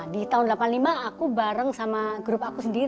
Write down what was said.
di tahun delapan lima aku bareng sama grup aku sendiri